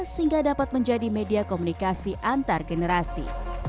sehingga dapat menjadi media komunikasi antargenerasi